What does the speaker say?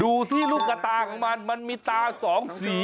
ดูสิลูกกระตาของมันมันมีตาสองสี